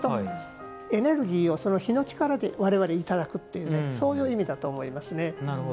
エネルギーを火の力でいただくというそういう意味だと思います。